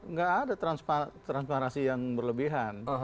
nggak ada transparansi yang berlebihan